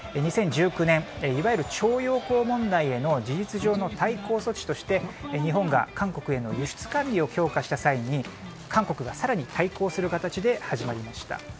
２０１９年いわゆる徴用工問題への事実上の対抗措置として日本が韓国への輸出管理を強化した際に韓国が更に対抗する形で始まりました。